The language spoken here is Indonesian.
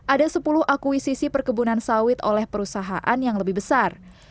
ada sepuluh akuisisi perkebunan sawit oleh perusahaan yang lebih besar